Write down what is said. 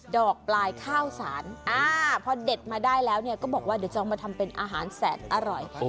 อกปลายข้าวสารพอเด็ดมาได้แล้วก็บอกว่าเดี๋ยวจะเอามาทำเป็นอาหารแสนอร่อย